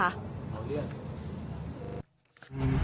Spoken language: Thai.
เอาเลือก